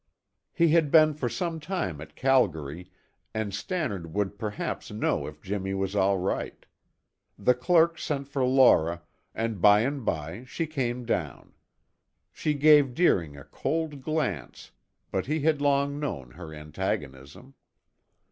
He had been for some time at Calgary and Stannard would perhaps know if Jimmy was all right. The clerk sent for Laura and by and by she came down. She gave Deering a cold glance, but he had long known her antagonism.